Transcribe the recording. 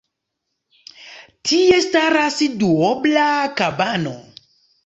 Tie staras duobla kabano.